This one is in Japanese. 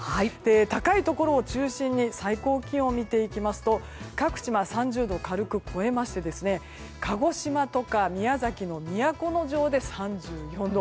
高いところを中心に最高気温を見ていきますと各地３０度を軽く超えまして鹿児島とか宮崎の都城で３４度。